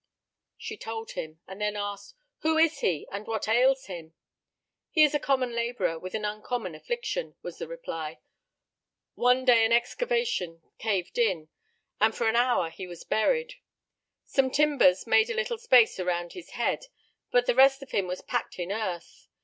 She told him, and then asked: "Who is he, and what ails him?" "He is a common laborer with an uncommon affliction," was the reply. "One day an excavation caved in, and for an hour he was buried. Some timbers made a little space around his head, but the rest of him was packed in earth.